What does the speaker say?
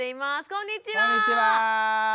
こんにちは。